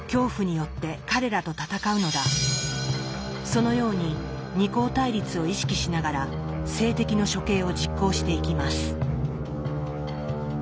そのように二項対立を意識しながら政敵の処刑を実行していきます。